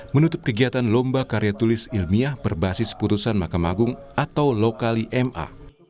menutup kegiatan lomba karya tulis ilmiah berbasis putusan mahkamah agung atau lokali ma